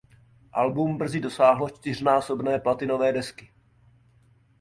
Album brzy dosáhlo čtyřnásobné platinové desky.